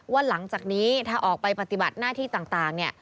ว่าหลังจากนี้ถ้าออกไปปฏิบัติหน้าที่ต่าง